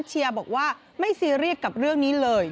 เชียร์บอกว่าไม่ซีเรียสกับเรื่องนี้เลย